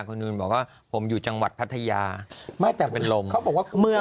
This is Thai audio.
คุณนูนบอกว่าผมอยู่จังหวัดพัทยาไม่แต่เป็นลมเขาบอกว่าเมื่อ